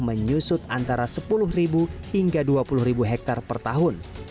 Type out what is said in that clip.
menyusut antara sepuluh hingga dua puluh hektare per tahun